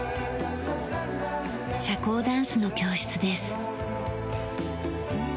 社交ダンスの教室です。